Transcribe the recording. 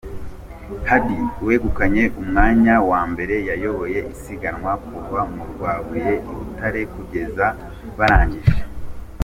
Hadi wegukanye umwanya wa mbere yayoboye isiganwa kuva mu Rwabuye i Butare kugeza barangije.